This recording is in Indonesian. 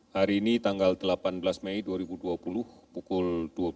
hari ini tanggal delapan belas mei dua ribu dua puluh pukul dua puluh satu